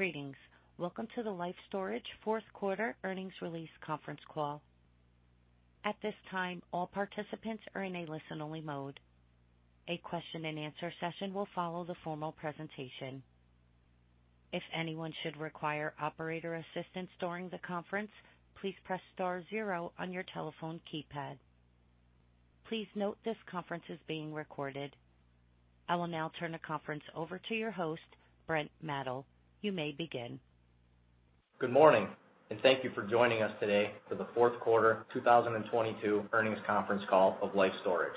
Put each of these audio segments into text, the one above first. Greetings. Welcome to the Life Storage fourth quarter earnings release conference call. At this time, all participants are in a listen-only mode. A question-and-answer session will follow the formal presentation. If anyone should require operator assistance during the conference, please press star zero on your telephone keypad. Please note this conference is being recorded. I will now turn the conference over to your host, Brent Maedl. You may begin. Good morning, and thank you for joining us today for the fourth quarter 2022 earnings conference call of Life Storage.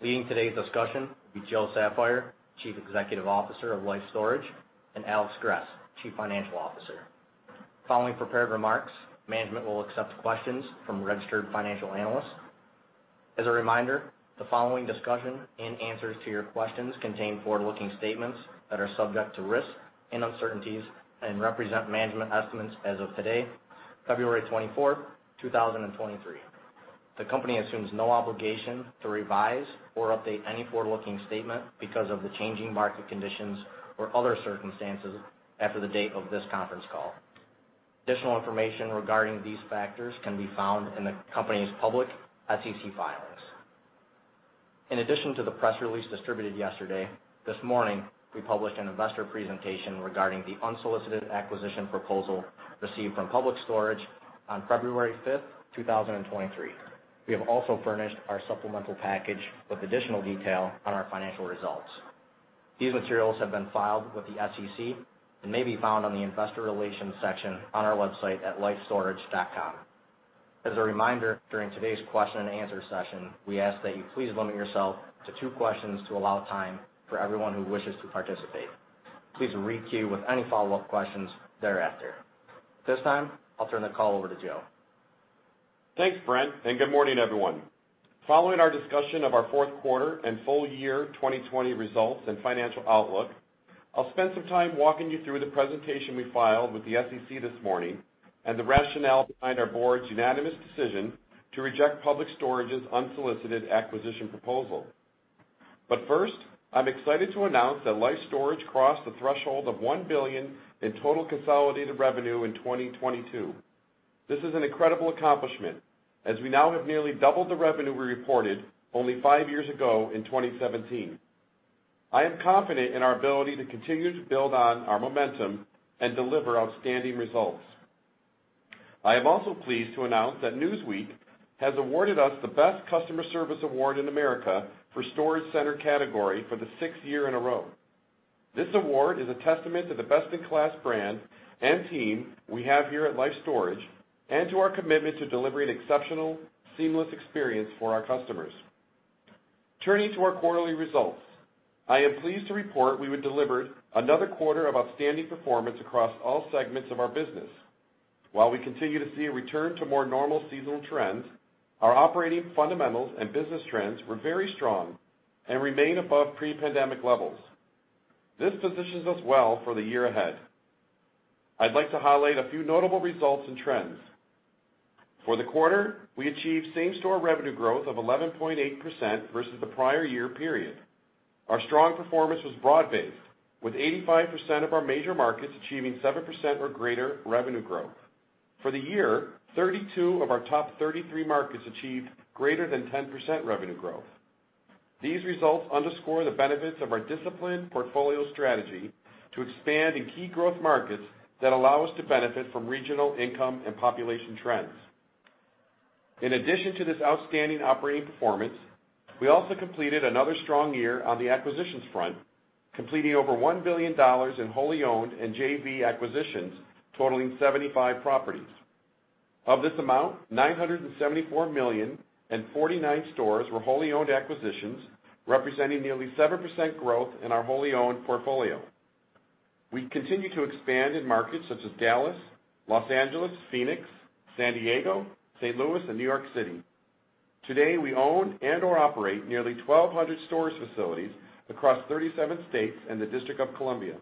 Leading today's discussion will be Joe Saffire, Chief Executive Officer of Life Storage, and Alex Gress, Chief Financial Officer. Following prepared remarks, management will accept questions from registered financial analysts. As a reminder, the following discussion and answers to your questions contain forward-looking statements that are subject to risks and uncertainties and represent management estimates as of today, February 24th, 2023. The company assumes no obligation to revise or update any forward-looking statement because of the changing market conditions or other circumstances after the date of this conference call. Additional information regarding these factors can be found in the company's public SEC filings. In addition to the press release distributed yesterday, this morning we published an investor presentation regarding the unsolicited acquisition proposal received from Public Storage on February 5th, 2023. We have also furnished our supplemental package with additional detail on our financial results. These materials have been filed with the SEC and may be found on the investor relations section on our website at lifestorage.com. As a reminder, during today's question and answer session, we ask that you please limit yourself to two questions to allow time for everyone who wishes to participate. Please re-queue with any follow-up questions thereafter. This time, I'll turn the call over to Joe. Thanks, Brent. Good morning, everyone. Following our discussion of our fourth quarter and full year 2020 results and financial outlook, I'll spend some time walking you through the presentation we filed with the SEC this morning and the rationale behind our board's unanimous decision to reject Public Storage's unsolicited acquisition proposal. First, I'm excited to announce that Life Storage crossed the threshold of $1 billion in total consolidated revenue in 2022. This is an incredible accomplishment, as we now have nearly doubled the revenue we reported only five years ago in 2017. I am confident in our ability to continue to build on our momentum and deliver outstanding results. I am also pleased to announce that Newsweek has awarded us the Best Customer Service Award in America for storage center category for the sixth year in a row. This award is a testament to the best-in-class brand and team we have here at Life Storage and to our commitment to delivering exceptional, seamless experience for our customers. Turning to our quarterly results, I am pleased to report we were delivered another quarter of outstanding performance across all segments of our business. While we continue to see a return to more normal seasonal trends, our operating fundamentals and business trends were very strong and remain above pre-pandemic levels. This positions us well for the year ahead. I'd like to highlight a few notable results and trends. For the quarter, we achieved same-store revenue growth of 11.8% versus the prior year period. Our strong performance was broad-based, with 85% of our major markets achieving 7% or greater revenue growth. For the year, 32 of our top 33 markets achieved greater than 10% revenue growth. These results underscore the benefits of our disciplined portfolio strategy to expand in key growth markets that allow us to benefit from regional income and population trends. In addition to this outstanding operating performance, we also completed another strong year on the acquisitions front, completing over $1 billion in wholly owned and JV acquisitions, totaling 75 properties. Of this amount, $974 million and 49 stores were wholly owned acquisitions, representing nearly 7% growth in our wholly owned portfolio. We continue to expand in markets such as Dallas, Los Angeles, Phoenix, San Diego, St. Louis, and New York City. Today, we own and or operate nearly 1,200 stores facilities across 37 states and the District of Columbia.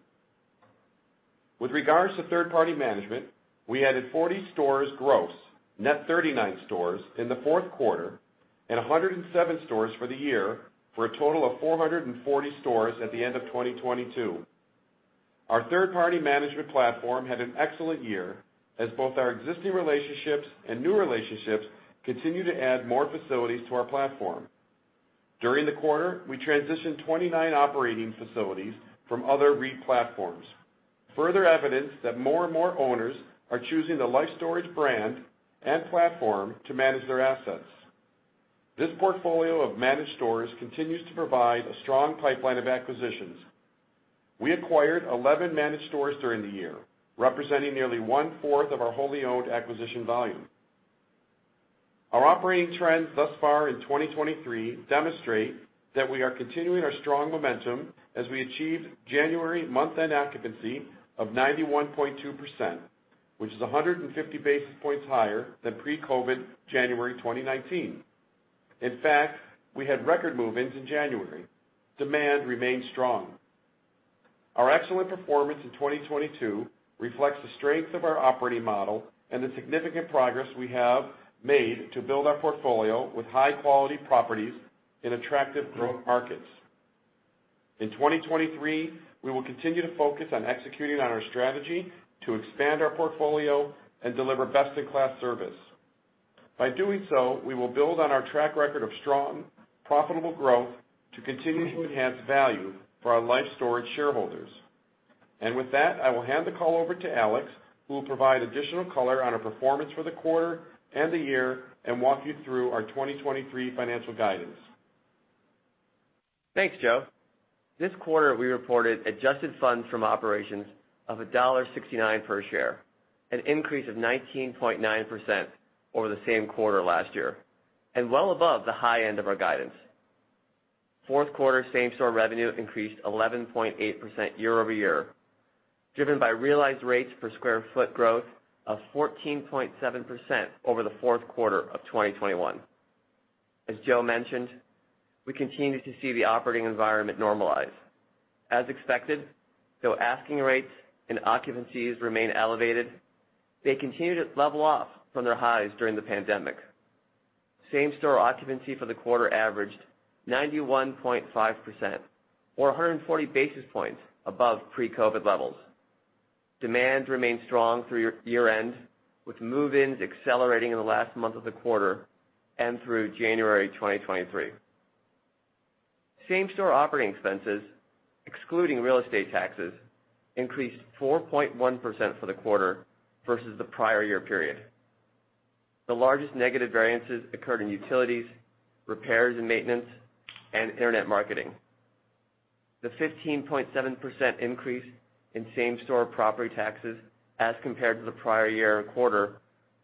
With regards to third-party management, we added 40 stores gross, net 39 stores in the fourth quarter, and 107 stores for the year, for a total of 440 stores at the end of 2022. Our third-party management platform had an excellent year, as both our existing relationships and new relationships continued to add more facilities to our platform. During the quarter, we transitioned 29 operating facilities from other REIT platforms, further evidence that more and more owners are choosing the Life Storage brand and platform to manage their assets. This portfolio of managed stores continues to provide a strong pipeline of acquisitions. We acquired 11 managed stores during the year, representing nearly 1/4 of our wholly owned acquisition volume. Our operating trends thus far in 2023 demonstrate that we are continuing our strong momentum as we achieved January month-end occupancy of 91.2%, which is 150 basis points higher than pre-COVID January 2019. In fact, we had record move-ins in January. Demand remained strong. Our excellent performance in 2022 reflects the strength of our operating model and the significant progress we have made to build our portfolio with high-quality properties in attractive growth markets. In 2023, we will continue to focus on executing on our strategy to expand our portfolio and deliver best-in-class service. By doing so, we will build on our track record of strong, profitable growth to continue to enhance value for our Life Storage shareholders. With that, I will hand the call over to Alex, who will provide additional color on our performance for the quarter and the year and walk you through our 2023 financial guidance. Thanks, Joe. This quarter, we reported adjusted funds from operations of $1.69 per share, an increase of 19.9% over the same quarter last year. Well above the high end of our guidance. Fourth quarter same-store revenue increased 11.8% year-over-year, driven by realized rates per square foot growth of 14.7% over the fourth quarter of 2021. As Joe mentioned, we continue to see the operating environment normalize. As expected, though, asking rates and occupancies remain elevated, they continue to level off from their highs during the pandemic. Same-store occupancy for the quarter averaged 91.5% or 140 basis points above pre-COVID levels. Demand remained strong through year-end, with move-ins accelerating in the last month of the quarter and through January 2023. Same-store operating expenses, excluding real estate taxes, increased 4.1% for the quarter versus the prior year period. The largest negative variances occurred in utilities, repairs and maintenance, and internet marketing. The 15.7% increase in same-store property taxes as compared to the prior year quarter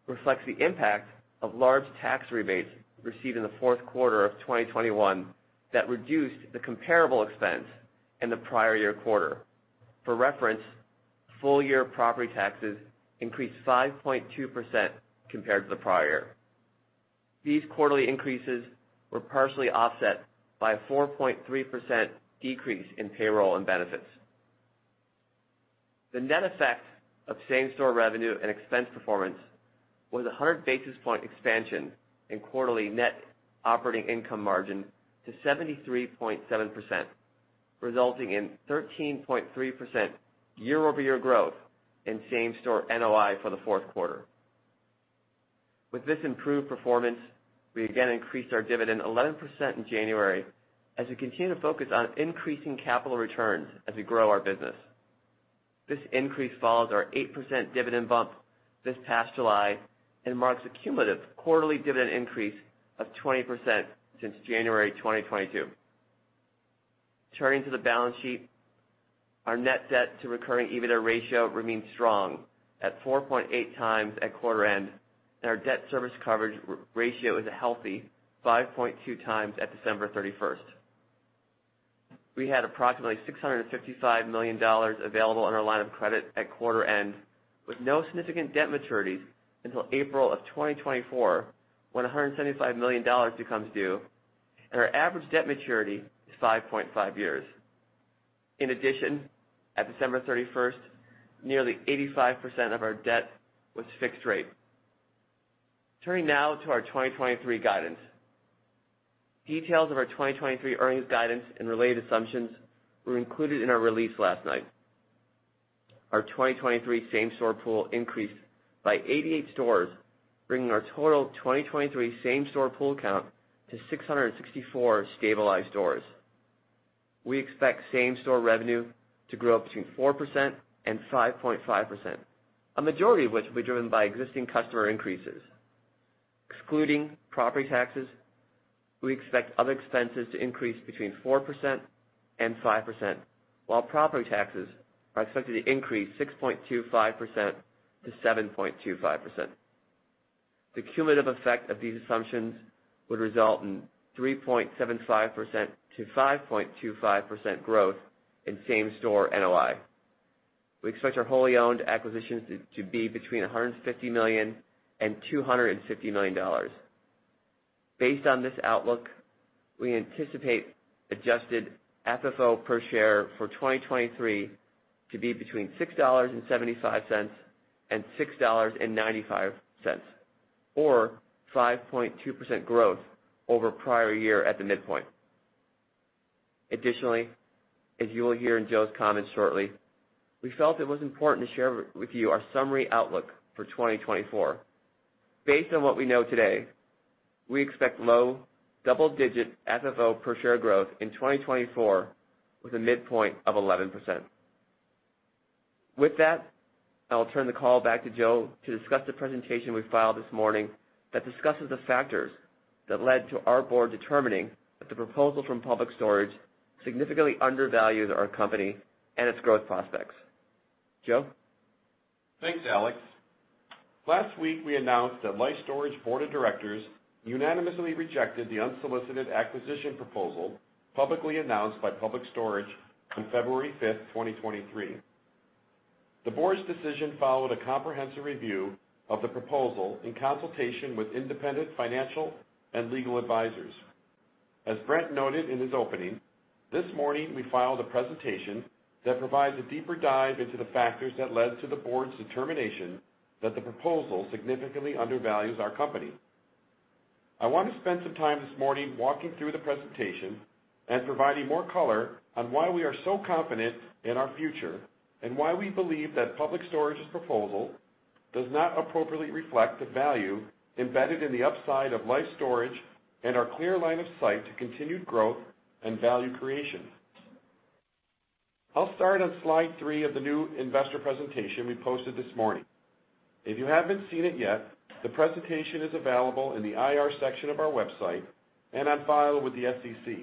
reflects the impact of large tax rebates received in the fourth quarter of 2021 that reduced the comparable expense in the prior year quarter. For reference, full-year property taxes increased 5.2% compared to the prior. These quarterly increases were partially offset by a 4.3% decrease in payroll and benefits. The net effect of same-store revenue and expense performance was 100 basis point expansion in quarterly net operating income margin to 73.7%, resulting in 13.3% year-over-year growth in same-store NOI for the fourth quarter. With this improved performance, we again increased our dividend 11% in January as we continue to focus on increasing capital returns as we grow our business. This increase follows our 8% dividend bump this past July and marks a cumulative quarterly dividend increase of 20% since January 2022. Turning to the balance sheet, our net debt to recurring EBITDA ratio remains strong at 4.8x at quarter end, and our debt service coverage ratio is a healthy 5.2x at December 31st. We had approximately $655 million available in our line of credit at quarter end, with no significant debt maturities until April 2024, when $175 million becomes due, and our average debt maturity is 5.5 years. In addition, at December 31st, nearly 85% of our debt was fixed rate. Turning now to our 2023 guidance. Details of our 2023 earnings guidance and related assumptions were included in our release last night. Our 2023 same-store pool increased by 88 stores, bringing our total 2023 same-store pool count to 664 stabilized stores. We expect same-store revenue to grow between 4%-5.5%, a majority of which will be driven by existing customer increases. Excluding property taxes, we expect other expenses to increase between 4%-5%, while property taxes are expected to increase 6.25%-7.25%. The cumulative effect of these assumptions would result in 3.75%-5.25% growth in same-store NOI. We expect our wholly owned acquisitions to be between $150 million and $250 million. Based on this outlook, we anticipate adjusted FFO per share for 2023 to be between $6.75 and $6.95 or 5.2% growth over prior year at the midpoint. As you will hear in Joe's comments shortly, we felt it was important to share with you our summary outlook for 2024. Based on what we know today, we expect low double-digit FFO per share growth in 2024 with a midpoint of 11%. I will turn the call back to Joe to discuss the presentation we filed this morning that discusses the factors that led to our board determining that the proposal from Public Storage significantly undervalues our company and its growth prospects. Joe? Thanks, Alex. Last week, we announced that Life Storage Board of Directors unanimously rejected the unsolicited acquisition proposal publicly announced by Public Storage on February 5th, 2023. The board's decision followed a comprehensive review of the proposal in consultation with independent financial and legal advisors. As Brent noted in his opening this morning, we filed a presentation that provides a deeper dive into the factors that led to the board's determination that the proposal significantly undervalues our company. I want to spend some time this morning walking through the presentation and providing more color on why we are so confident in our future, and why we believe that Public Storage's proposal does not appropriately reflect the value embedded in the upside of Life Storage and our clear line of sight to continued growth and value creation. I'll start on slide three of the new investor presentation we posted this morning. If you haven't seen it yet, the presentation is available in the IR section of our website and on file with the SEC.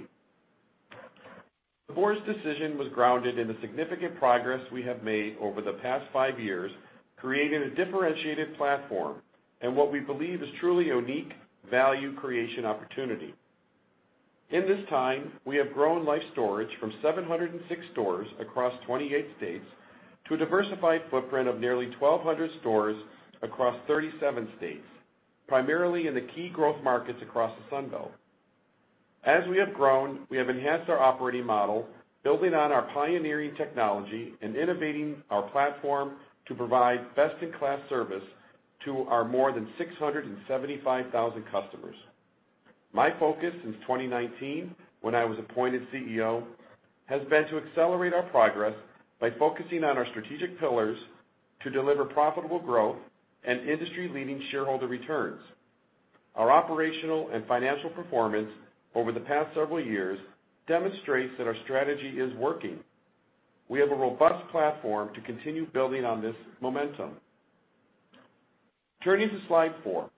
The board's decision was grounded in the significant progress we have made over the past 5 years, creating a differentiated platform and what we believe is truly unique value creation opportunity. In this time, we have grown Life Storage from 706 stores across 28 states to a diversified footprint of nearly 1,200 stores across 37 states, primarily in the key growth markets across the Sun Belt. As we have grown, we have enhanced our operating model, building on our pioneering technology and innovating our platform to provide best-in-class service to our more than 675,000 customers. My focus since 2019, when I was appointed CEO, has been to accelerate our progress by focusing on our strategic pillars to deliver profitable growth and industry-leading shareholder returns. Our operational and financial performance over the past several years demonstrates that our strategy is working. We have a robust platform to continue building on this momentum. Turning to slide four.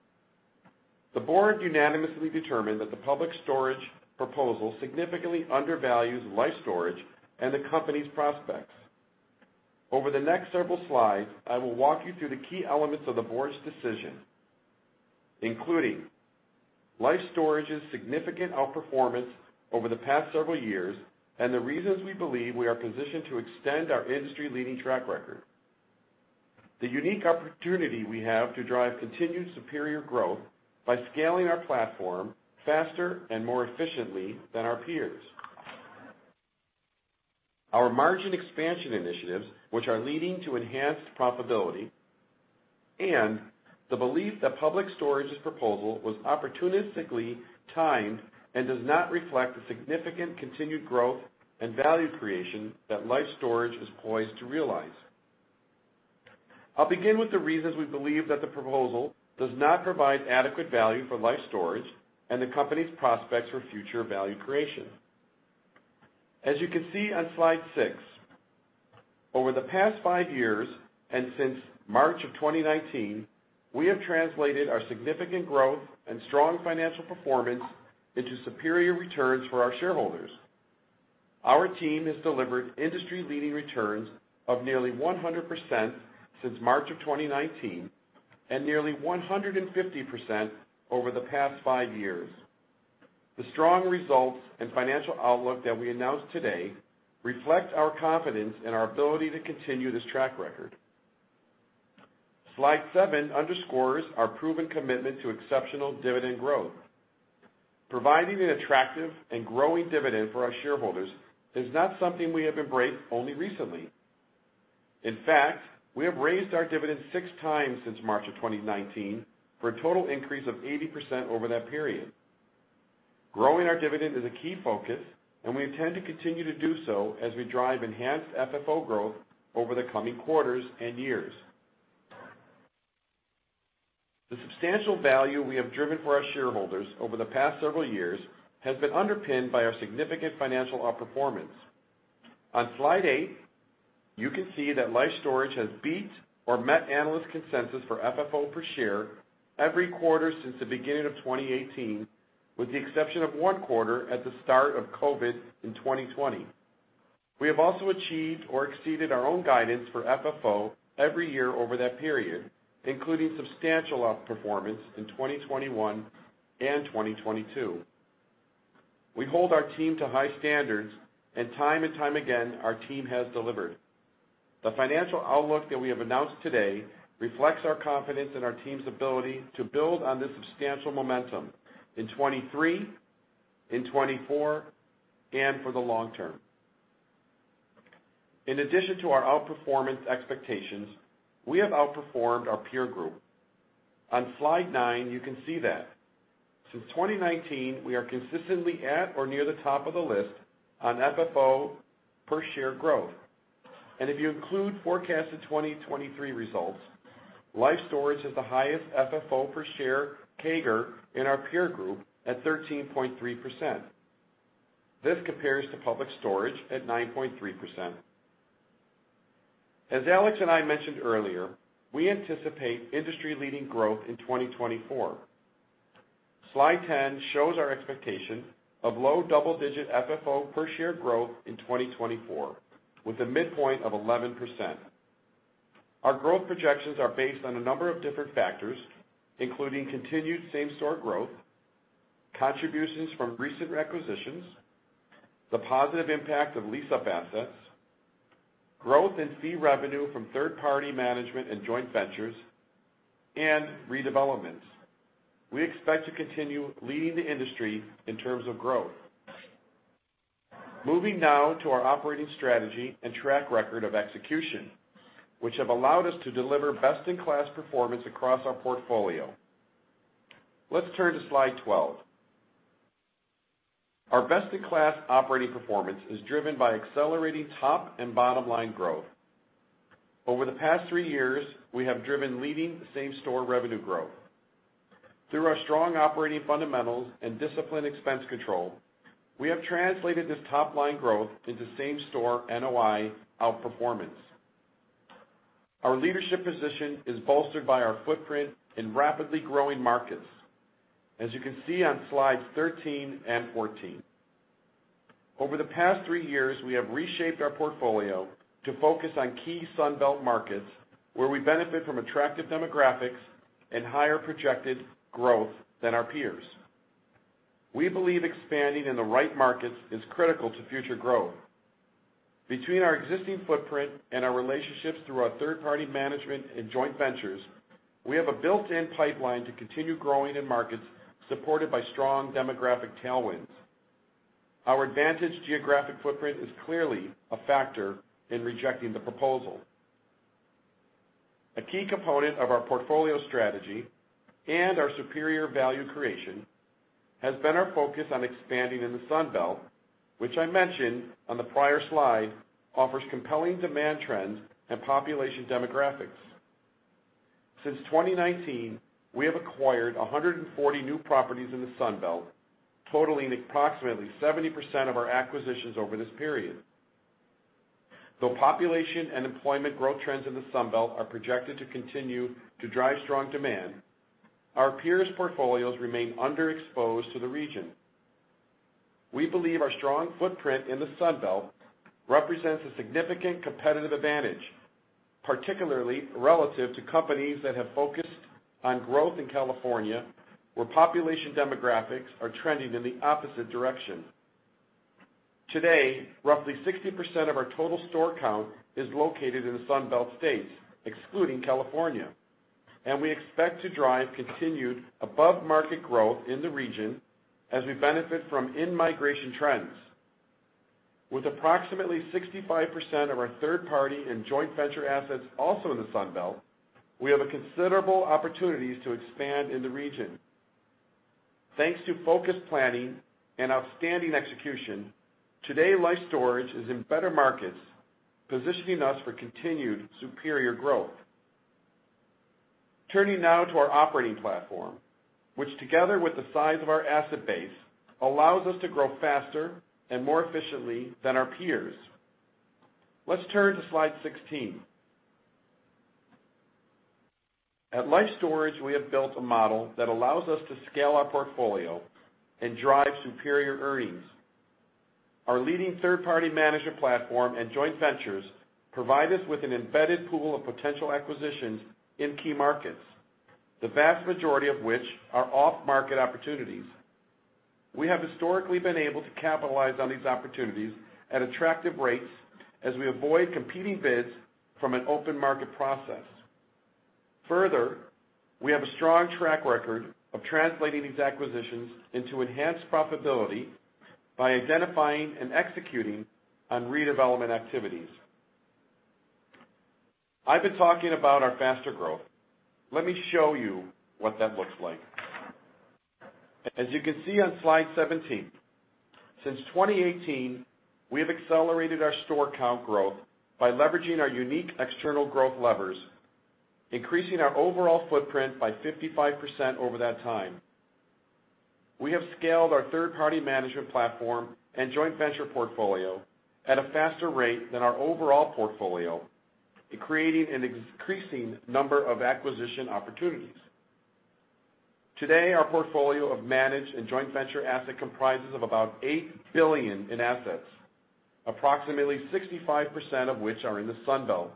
The board unanimously determined that the Public Storage proposal significantly undervalues Life Storage and the company's prospects. Over the next several slides, I will walk you through the key elements of the board's decision, including Life Storage's significant outperformance over the past several years and the reasons we believe we are positioned to extend our industry-leading track record, the unique opportunity we have to drive continued superior growth by scaling our platform faster and more efficiently than our peers, our margin expansion initiatives, which are leading to enhanced profitability, and the belief that Public Storage's proposal was opportunistically timed and does not reflect the significant continued growth and value creation that Life Storage is poised to realize. I'll begin with the reasons we believe that the proposal does not provide adequate value for Life Storage and the company's prospects for future value creation. As you can see on slide six, over the past five years, and since March of 2019, we have translated our significant growth and strong financial performance into superior returns for our shareholders. Our team has delivered industry-leading returns of nearly 100% since March of 2019 and nearly 150% over the past five years. The strong results and financial outlook that we announced today reflect our confidence in our ability to continue this track record. Slide seven underscores our proven commitment to exceptional dividend growth. Providing an attractive and growing dividend for our shareholders is not something we have embraced only recently. In fact, we have raised our dividend 6x since March of 2019 for a total increase of 80% over that period. Growing our dividend is a key focus and we intend to continue to do so as we drive enhanced FFO growth over the coming quarters and years. The substantial value we have driven for our shareholders over the past several years has been underpinned by our significant financial outperformance. On slide eight, you can see that Life Storage has beat or met analyst consensus for FFO per share every quarter since the beginning of 2018, with the exception of one quarter at the start of COVID in 2020. We have also achieved or exceeded our own guidance for FFO every year over that period, including substantial outperformance in 2021 and 2022. We hold our team to high standards. Time and time again our team has delivered. The financial outlook that we have announced today reflects our confidence in our team's ability to build on this substantial momentum in 2023, in 2024, and for the long term. In addition to our outperformance expectations, we have outperformed our peer group. On slide nine, you can see that. Since 2019, we are consistently at or near the top of the list on FFO-per-share growth. If you include forecasted 2023 results, Life Storage has the highest FFO-per-share CAGR in our peer group at 13.3%. This compares to Public Storage at 9.3%. As Alex and I mentioned earlier, we anticipate industry-leading growth in 2024. Slide 10 shows our expectation of low double-digit FFO per share growth in 2024, with a midpoint of 11%. Our growth projections are based on a number of different factors, including continued same-store growth, contributions from recent acquisitions, the positive impact of lease-up assets, growth in fee revenue from third-party management and joint ventures and redevelopments. We expect to continue leading the industry in terms of growth. Moving now to our operating strategy and track record of execution, which have allowed us to deliver best-in-class performance across our portfolio. Let's turn to slide 12. Our best-in-class operating performance is driven by accelerating top and bottom-line growth. Over the past three years, we have driven leading same-store revenue growth. Through our strong operating fundamentals and disciplined expense control, we have translated this top-line growth into same-store NOI outperformance. Our leadership position is bolstered by our footprint in rapidly growing markets, as you can see on slides 13 and 14. Over the past three years, we have reshaped our portfolio to focus on key Sun Belt markets, where we benefit from attractive demographics and higher projected growth than our peers. We believe expanding in the right markets is critical to future growth. Between our existing footprint and our relationships through our third-party management and joint ventures, we have a built-in pipeline to continue growing in markets supported by strong demographic tailwinds. Our advantage geographic footprint is clearly a factor in rejecting the proposal. A key component of our portfolio strategy and our superior value creation has been our focus on expanding in the Sun Belt, which I mentioned on the prior slide, offers compelling demand trends and population demographics. Since 2019, we have acquired 140 new properties in the Sun Belt, totaling approximately 70% of our acquisitions over this period. Though population and employment growth trends in the Sun Belt are projected to continue to drive strong demand, our peers' portfolios remain underexposed to the region. We believe our strong footprint in the Sun Belt represents a significant competitive advantage, particularly relative to companies that have focused on growth in California, where population demographics are trending in the opposite direction. Today, roughly 60% of our total store count is located in the Sun Belt states, excluding California, and we expect to drive continued above-market growth in the region as we benefit from in-migration trends. With approximately 65% of our third-party and joint venture assets also in the Sun Belt, we have a considerable opportunities to expand in the region. Thanks to focused planning and outstanding execution, today, Life Storage is in better markets, positioning us for continued superior growth. Turning now to our operating platform, which together with the size of our asset base, allows us to grow faster and more efficiently than our peers. Let's turn to slide 16. At Life Storage, we have built a model that allows us to scale our portfolio and drive superior earnings. Our leading third-party management platform and joint ventures provide us with an embedded pool of potential acquisitions in key markets, the vast majority of which are off-market opportunities. We have historically been able to capitalize on these opportunities at attractive rates as we avoid competing bids from an open market process. We have a strong track record of translating these acquisitions into enhanced profitability by identifying and executing on redevelopment activities. I've been talking about our faster growth. Let me show you what that looks like. As you can see on slide 17, since 2018, we have accelerated our store count growth by leveraging our unique external growth levers, increasing our overall footprint by 55% over that time. We have scaled our third-party management platform and joint venture portfolio at a faster rate than our overall portfolio, creating an increasing number of acquisition opportunities. Today, our portfolio of managed and joint venture asset comprises of about $8 billion in assets, approximately 65% of which are in the Sun Belt.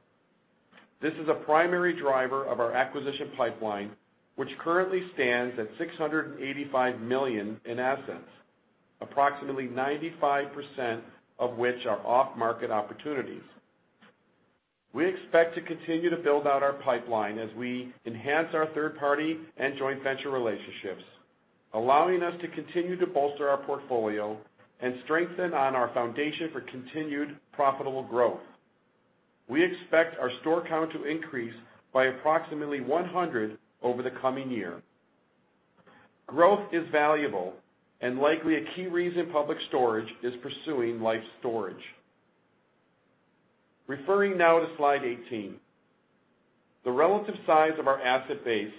This is a primary driver of our acquisition pipeline, which currently stands at $685 million in assets, approximately 95% of which are off-market opportunities. We expect to continue to build out our pipeline as we enhance our third-party and joint venture relationships, allowing us to continue to bolster our portfolio and strengthen on our foundation for continued profitable growth. We expect our store count to increase by approximately 100 over the coming year. Growth is valuable and likely a key reason Public Storage is pursuing Life Storage. Referring now to slide 18, the relative size of our asset base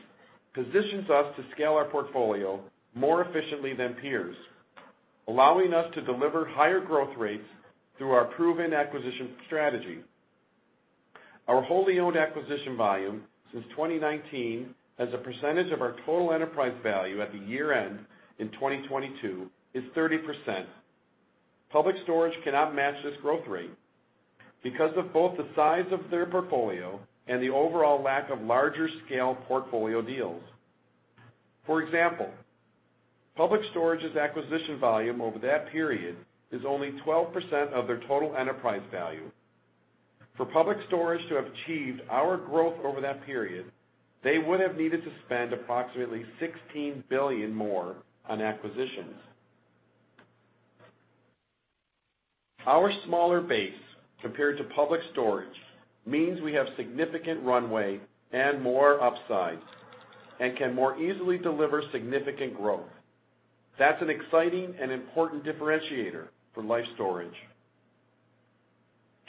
positions us to scale our portfolio more efficiently than peers, allowing us to deliver higher growth rates through our proven acquisition strategy. Our wholly-owned acquisition volume since 2019 as a percentage of our total enterprise value at the year-end in 2022 is 30%. Public Storage cannot match this growth rate because of both the size of their portfolio and the overall lack of larger scale portfolio deals. For example, Public Storage's acquisition volume over that period is only 12% of their total enterprise value. For Public Storage to have achieved our growth over that period, they would have needed to spend approximately $16 billion more on acquisitions. Our smaller base compared to Public Storage means we have significant runway and more upside and can more easily deliver significant growth. That's an exciting and important differentiator for Life Storage.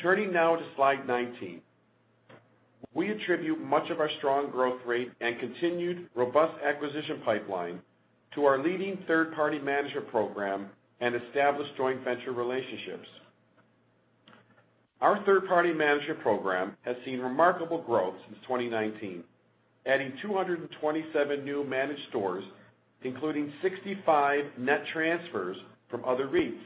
Turning now to slide 19. We attribute much of our strong growth rate and continued robust acquisition pipeline to our leading third-party management program and established joint venture relationships. Our third-party management program has seen remarkable growth since 2019, adding 227 new managed stores, including 65 net transfers from other REITs.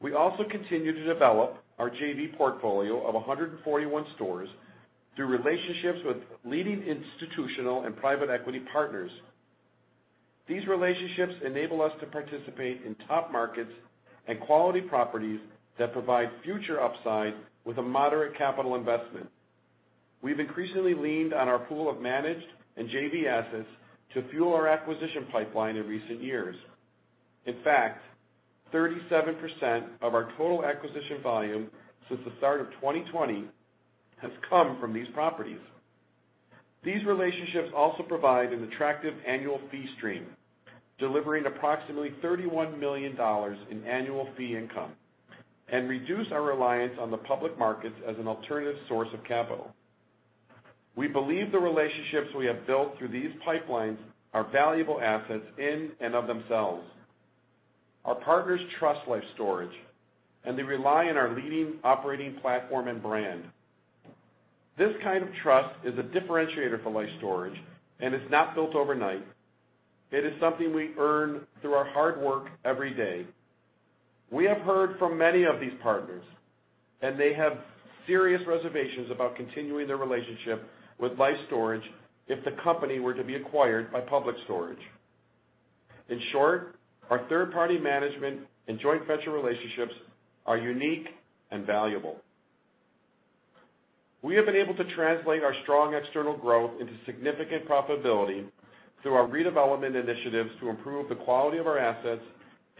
We also continue to develop our JV portfolio of 141 stores through relationships with leading institutional and private equity partners. These relationships enable us to participate in top markets and quality properties that provide future upside with a moderate capital investment. We've increasingly leaned on our pool of managed and JV assets to fuel our acquisition pipeline in recent years. In fact, 37% of our total acquisition volume since the start of 2020 has come from these properties. These relationships also provide an attractive annual fee stream, delivering approximately $31 million in annual fee income and reduce our reliance on the public markets as an alternative source of capital. We believe the relationships we have built through these pipelines are valuable assets in and of themselves. Our partners trust Life Storage, and they rely on our leading operating platform and brand. This kind of trust is a differentiator for Life Storage, and it's not built overnight. It is something we earn through our hard work every day. We have heard from many of these partners, and they have serious reservations about continuing their relationship with Life Storage if the company were to be acquired by Public Storage. In short, our third-party management and joint venture relationships are unique and valuable. We have been able to translate our strong external growth into significant profitability through our redevelopment initiatives to improve the quality of our assets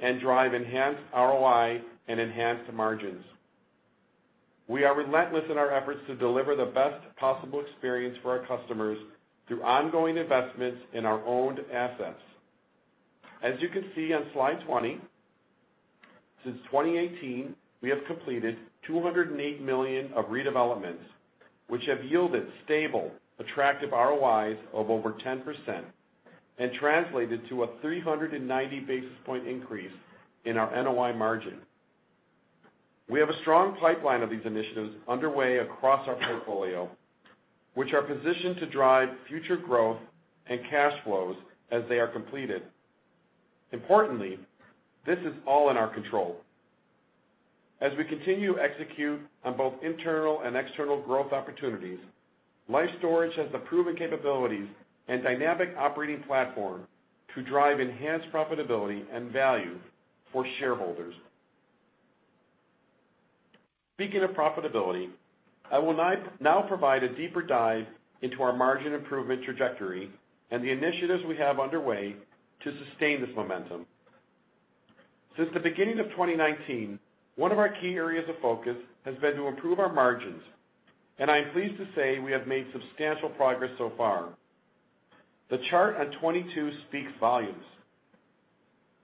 and drive enhanced ROI and enhanced margins. We are relentless in our efforts to deliver the best possible experience for our customers through ongoing investments in our owned assets. As you can see on slide 20, since 2018, we have completed $208 million of redevelopments which have yielded stable, attractive ROIs of over 10% and translated to a 390 basis point increase in our NOI margin. We have a strong pipeline of these initiatives underway across our portfolio, which are positioned to drive future growth and cash flows as they are completed. Importantly, this is all in our control. As we continue to execute on both internal and external growth opportunities, Life Storage has the proven capabilities and dynamic operating platform to drive enhanced profitability and value for shareholders. Speaking of profitability, I will now provide a deeper dive into our margin improvement trajectory and the initiatives we have underway to sustain this momentum. Since the beginning of 2019, one of our key areas of focus has been to improve our margins, and I am pleased to say we have made substantial progress so far. The chart on 22 speaks volumes.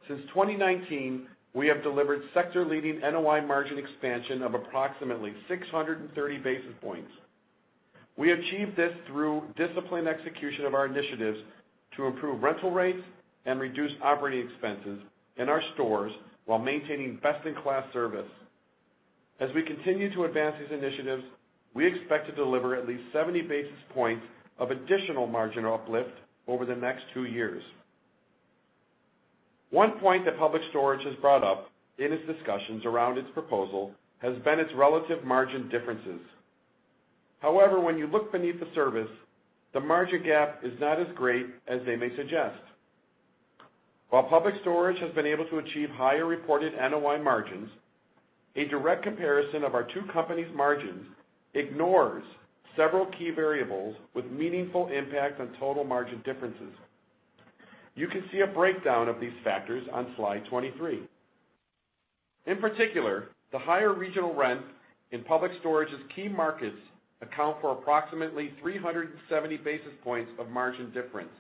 Since 2019, we have delivered sector-leading NOI margin expansion of approximately 630 basis points. We achieved this through disciplined execution of our initiatives to improve rental rates and reduce operating expenses in our stores while maintaining best-in-class service. As we continue to advance these initiatives, we expect to deliver at least 70 basis points of additional margin uplift over the next two years. One point that Public Storage has brought up in its discussions around its proposal has been its relative margin differences. When you look beneath the surface, the margin gap is not as great as they may suggest. While Public Storage has been able to achieve higher reported NOI margins, a direct comparison of our two companies' margins ignores several key variables with meaningful impact on total margin differences. You can see a breakdown of these factors on slide 23. In particular, the higher regional rents in Public Storage's key markets account for approximately 370 basis points of margin difference.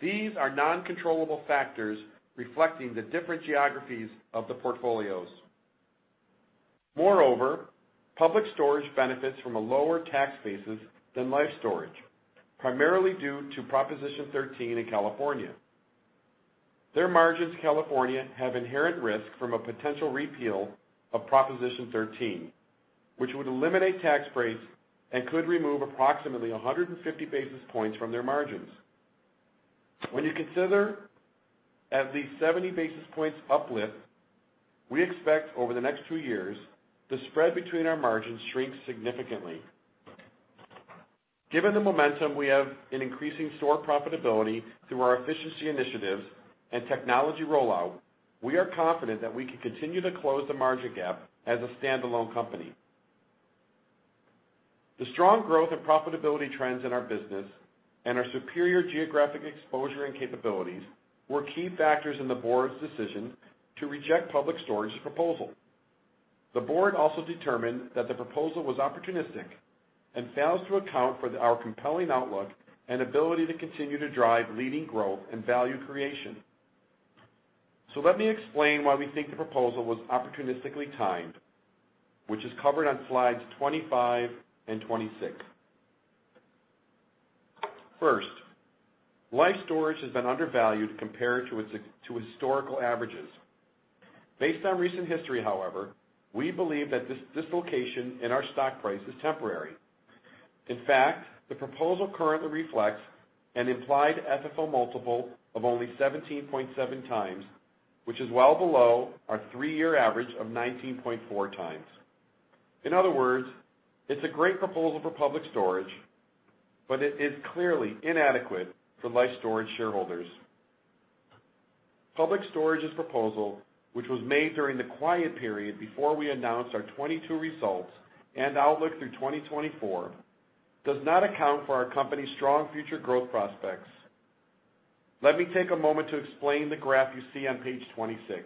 These are non-controllable factors reflecting the different geographies of the portfolios. Public Storage benefits from a lower tax basis than Life Storage, primarily due to Proposition 13 in California. Their margins in California have inherent risk from a potential repeal of Proposition 13, which would eliminate tax breaks and could remove approximately 150 basis points from their margins. When you consider at least 70 basis points uplift, we expect over the next two years, the spread between our margins shrink significantly. Given the momentum we have in increasing store profitability through our efficiency initiatives and technology rollout, we are confident that we can continue to close the margin gap as a standalone company. The strong growth and profitability trends in our business and our superior geographic exposure and capabilities were key factors in the board's decision to reject Public Storage's proposal. The board also determined that the proposal was opportunistic and fails to account for our compelling outlook and ability to continue to drive leading growth and value creation. Let me explain why we think the proposal was opportunistically timed, which is covered on slides 25 and 26. First, Life Storage has been undervalued compared to historical averages. Based on recent history, however, we believe that this dislocation in our stock price is temporary. In fact, the proposal currently reflects an implied FFO multiple of only 17.7x, which is well below our three-year average of 19.4x. In other words, it's a great proposal for Public Storage, it is clearly inadequate for Life Storage shareholders. Public Storage's proposal, which was made during the quiet period before we announced our 2022 results and outlook through 2024, does not account for our company's strong future growth prospects. Let me take a moment to explain the graph you see on page 26.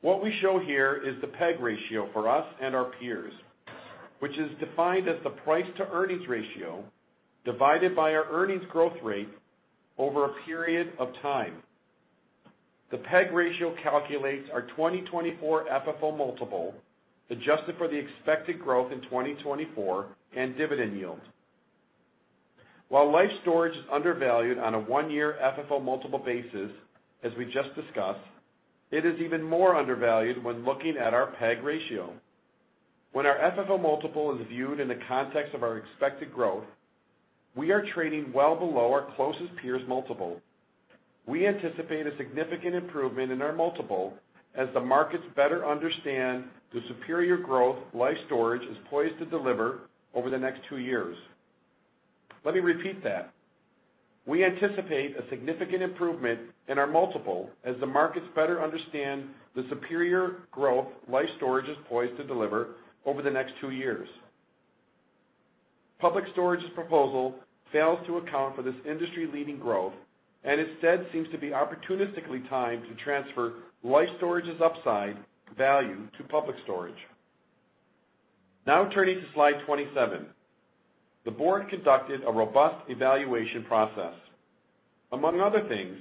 What we show here is the PEG ratio for us and our peers, which is defined as the price-to-earnings ratio divided by our earnings growth rate over a period of time. The PEG ratio calculates our 2024 FFO multiple, adjusted for the expected growth in 2024 and dividend yield. While Life Storage is undervalued on a one-year FFO multiple basis, as we just discussed, it is even more undervalued when looking at our PEG ratio. When our FFO multiple is viewed in the context of our expected growth, we are trading well below our closest peers' multiple. We anticipate a significant improvement in our multiple as the markets better understand the superior growth Life Storage is poised to deliver over the next two years. Let me repeat that. We anticipate a significant improvement in our multiple as the markets better understand the superior growth Life Storage is poised to deliver over the next two years. Public Storage's proposal fails to account for this industry-leading growth and instead seems to be opportunistically timed to transfer Life Storage's upside value to Public Storage. Turning to slide 27. The board conducted a robust evaluation process. Among other things,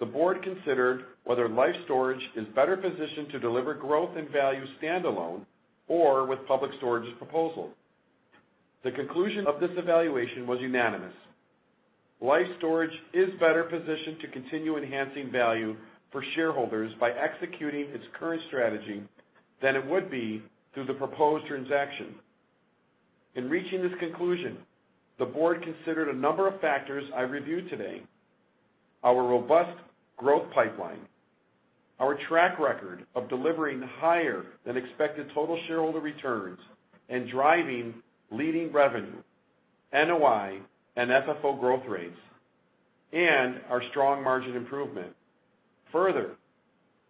the board considered whether Life Storage is better positioned to deliver growth and value standalone or with Public Storage's proposal. The conclusion of this evaluation was unanimous. Life Storage is better positioned to continue enhancing value for shareholders by executing its current strategy than it would be through the proposed transaction. In reaching this conclusion, the board considered a number of factors I reviewed today: our robust growth pipeline, our track record of delivering higher than expected total shareholder returns and driving leading revenue, NOI, and FFO growth rates, and our strong margin improvement. Further,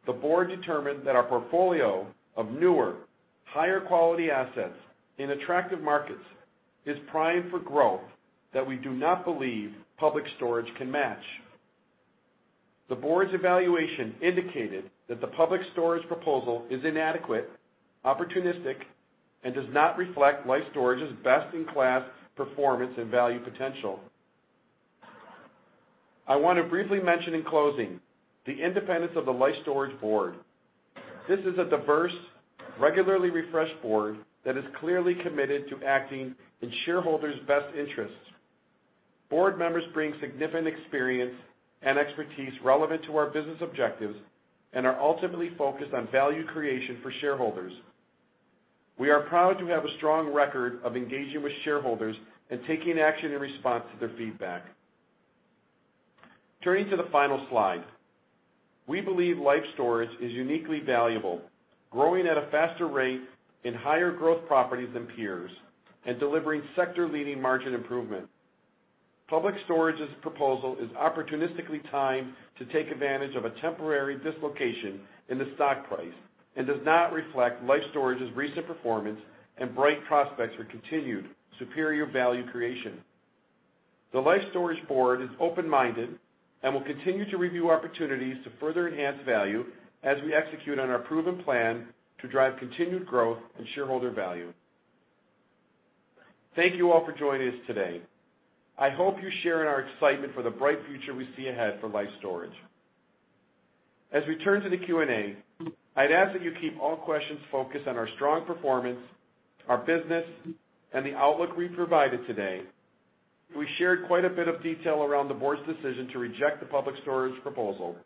the board determined that our portfolio of newer higher quality assets in attractive markets is primed for growth that we do not believe Public Storage can match. The board's evaluation indicated that the Public Storage proposal is inadequate, opportunistic, and does not reflect Life Storage's best-in-class performance and value potential. I want to briefly mention in closing the independence of the Life Storage board. This is a diverse, regularly refreshed board that is clearly committed to acting in shareholders' best interests. Board members bring significant experience and expertise relevant to our business objectives and are ultimately focused on value creation for shareholders. We are proud to have a strong record of engaging with shareholders and taking action in response to their feedback. Turning to the final slide. We believe Life Storage is uniquely valuable, growing at a faster rate in higher growth properties than peers and delivering sector-leading margin improvement. Public Storage's proposal is opportunistically timed to take advantage of a temporary dislocation in the stock price and does not reflect Life Storage's recent performance and bright prospects for continued superior value creation. The Life Storage board is open-minded and will continue to review opportunities to further enhance value as we execute on our proven plan to drive continued growth and shareholder value. Thank you all for joining us today. I hope you share in our excitement for the bright future we see ahead for Life Storage. As we turn to the Q&A, I'd ask that you keep all questions focused on our strong performance, our business, and the outlook we provided today. We shared quite a bit of detail around the board's decision to reject the Public Storage proposal,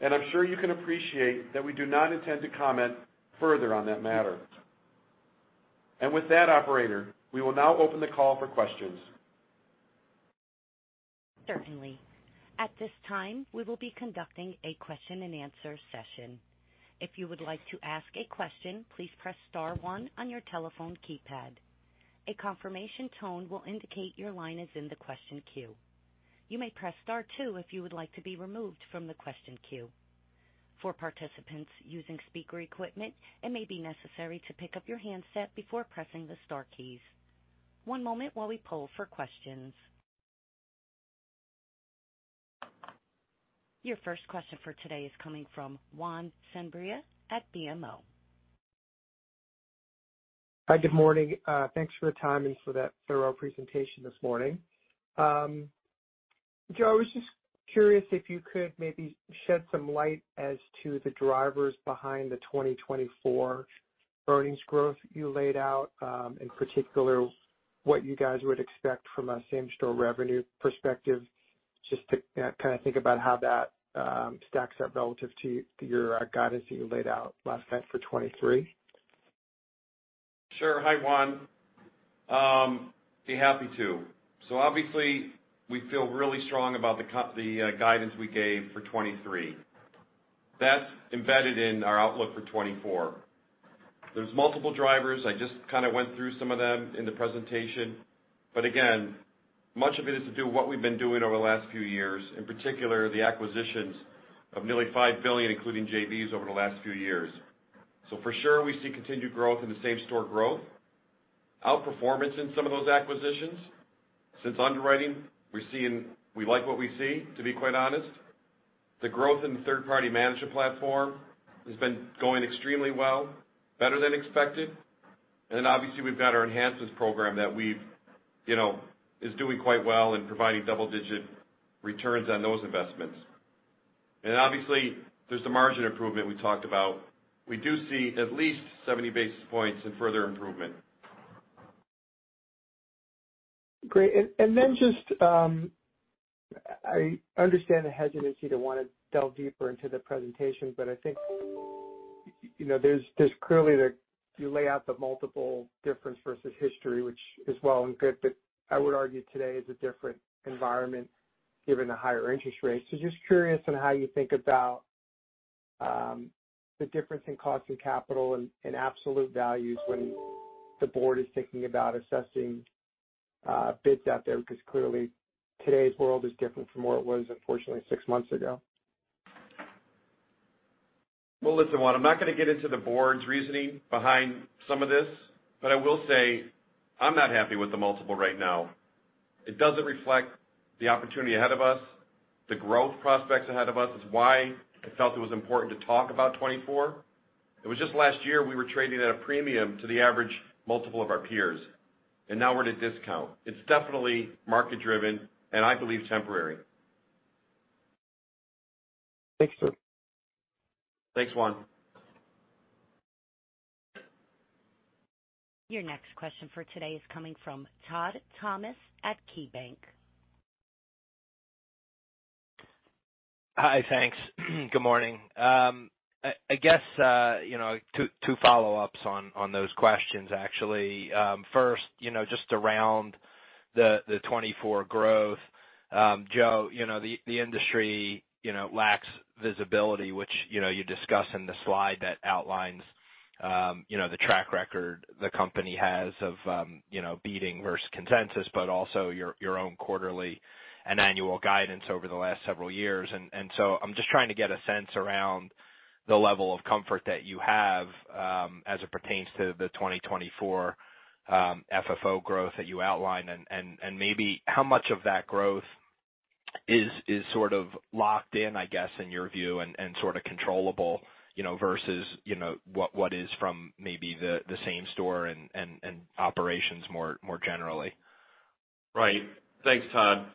and I'm sure you can appreciate that we do not intend to comment further on that matter. With that, operator, we will now open the call for questions. Certainly. At this time, we will be conducting a question and answer session. If you would like to ask a question, please press star one on your telephone keypad. A confirmation tone will indicate your line is in the question queue. You may press star two if you would like to be removed from the question queue. For participants using speaker equipment, it may be necessary to pick up your handset before pressing the star keys. One moment while we poll for questions. Your first question for today is coming from Juan Sanabria at BMO. Hi, good morning. Thanks for the time and for that thorough presentation this morning. Joe, I was just curious if you could maybe shed some light as to the drivers behind the 2024 earnings growth you laid out, in particular, what you guys would expect from a same-store revenue perspective, just to kind of think about how that stacks up relative to your guidance that you laid out last night for 2023? Sure. Hi, Juan. Be happy to. Obviously, we feel really strong about the guidance we gave for 2023. That's embedded in our outlook for 2024. There's multiple drivers. I just kind of went through some of them in the presentation. Again, much of it is to do what we've been doing over the last few years, in particular, the acquisitions of nearly $5 billion, including JVs, over the last few years. For sure, we see continued growth in the same-store growth, outperformance in some of those acquisitions. Since underwriting, we like what we see, to be quite honest. The growth in the third-party management platform has been going extremely well, better than expected. Obviously, we've got our enhancements program that we've, you know, is doing quite well in providing double-digit returns on those investments. obviously, there's the margin improvement we talked about. We do see at least 70 basis points in further improvement. Great. Then just, I understand the hesitancy to wanna delve deeper into the presentation, but I think, you know, there's clearly you lay out the multiple difference versus history, which is well and good, but I would argue today is a different environment given the higher interest rates. Just curious on how you think about the difference in cost of capital and absolute values when the board is thinking about assessing bids out there, because clearly, today's world is different from where it was, unfortunately, six months ago. Listen, Juan, I'm not gonna get into the board's reasoning behind some of this, but I will say I'm not happy with the multiple right now. It doesn't reflect the opportunity ahead of us, the growth prospects ahead of us. It's why I felt it was important to talk about 2024. It was just last year, we were trading at a premium to the average multiple of our peers, and now we're at a discount. It's definitely market-driven, and I believe temporary. Thanks, Joe. Thanks, Juan, Your next question for today is coming from Todd Thomas at KeyBanc. Hi. Thanks. Good morning. I guess, you know, two follow-ups on those questions, actually. First, you know, just around the 2024 growth. Joe, you know, the industry, you know, lacks visibility, which, you know, you discuss in the slide that outlines, you know, the track record the company has of, you know, beating versus consensus, but also your own quarterly and annual guidance over the last several years. I'm just trying to get a sense around the level of comfort that you have, as it pertains to the 2024 FFO growth that you outlined, and maybe how much of that growth is sort of locked in, I guess, in your view and sorta controllable, you know, versus, you know, what is from maybe the same store and operations more generally. Right. Thanks, Todd.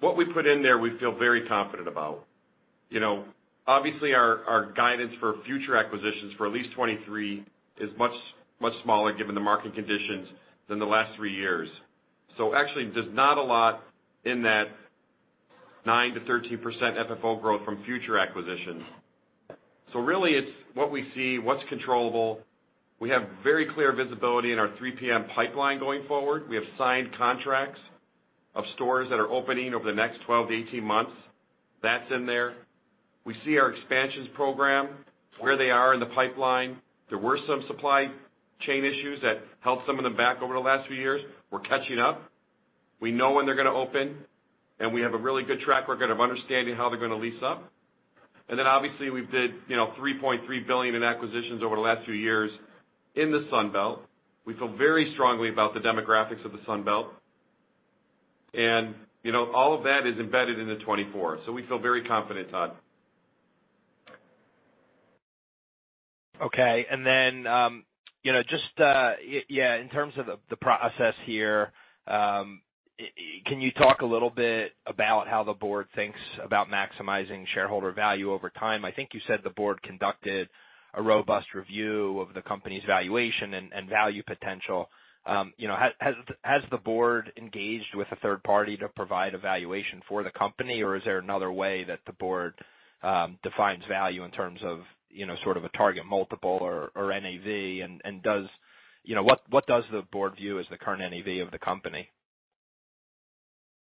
What we put in there, we feel very confident about. You know, obviously, our guidance for future acquisitions for at least 2023 is much, much smaller given the market conditions than the last three years. Actually, there's not a lot in that 9%-13% FFO growth from future acquisitions. Really it's what we see, what's controllable. We have very clear visibility in our 3PM pipeline going forward. We have signed contracts of stores that are opening over the next 12-18 months. That's in there. We see our expansions program, where they are in the pipeline. There were some supply chain issues that held some of them back over the last few years. We're catching up. We know when they're gonna open, and we have a really good track record of understanding how they're gonna lease up. Obviously we've did, you know, $3.3 billion in acquisitions over the last few years in the Sun Belt. We feel very strongly about the demographics of the Sun Belt. You know, all of that is embedded in the 2024. We feel very confident, Todd. Okay. You know, just, in terms of the process here, can you talk a little bit about how the board thinks about maximizing shareholder value over time? I think you said the board conducted a robust review of the company's valuation and value potential. You know, has the board engaged with a third party to provide a valuation for the company, or is there another way that the board defines value in terms of, you know, sort of a target multiple or NAV? Does... You know, what does the board view as the current NAV of the company?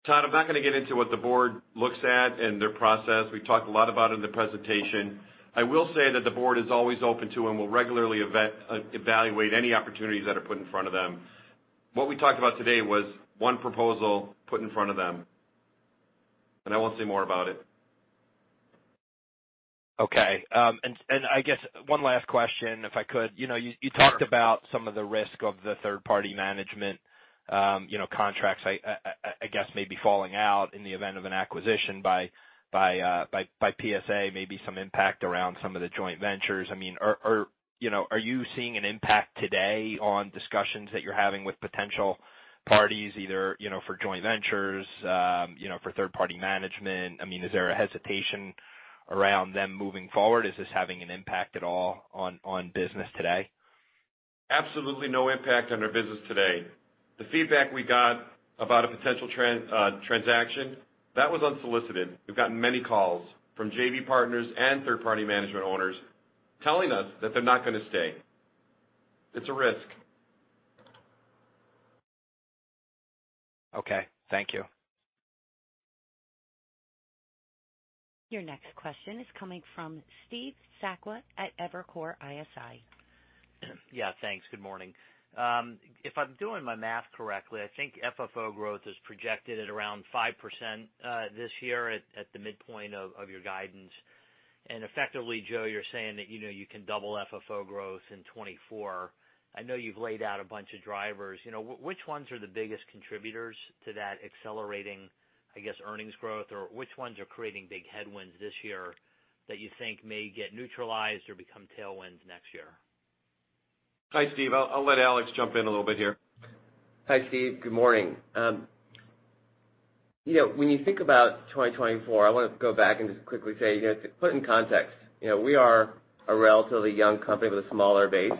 Todd, I'm not gonna get into what the board looks at and their process. We've talked a lot about it in the presentation. I will say that the board is always open to and will regularly evaluate any opportunities that are put in front of them. What we talked about today was one proposal put in front of them. I won't say more about it. Okay. I guess one last question, if I could. You know, you talked about some of the risk of the third-party management, you know, contracts, I guess may be falling out in the event of an acquisition by PSA, maybe some impact around some of the joint ventures. Are you seeing an impact today on discussions that you're having with potential parties, either, you know, for joint ventures, you know, for third-party management? Is there a hesitation around them moving forward? Is this having an impact at all on business today? Absolutely no impact on our business today. The feedback we got about a potential transaction, that was unsolicited. We've gotten many calls from JV partners and third-party management owners telling us that they're not gonna stay. It's a risk. Okay. Thank you. Your next question is coming from Steve Sakwa at Evercore ISI. Yeah, thanks. Good morning. If I'm doing my math correctly, I think FFO growth is projected at around 5% this year at the midpoint of your guidance. Effectively, Joe, you're saying that, you know, you can double FFO growth in 2024. I know you've laid out a bunch of drivers. You know, which ones are the biggest contributors to that accelerating, I guess, earnings growth or which ones are creating big headwinds this year that you think may get neutralized or become tailwinds next year? Hi, Steve. I'll let Alex jump in a little bit here. Hi, Steve. Good morning. You know, when you think about 2024, I want to go back and just quickly say, you know, to put in context, you know, we are a relatively young company with a smaller base.